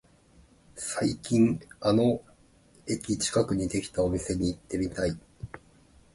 最近あの駅近くにできたお店に行ってみたい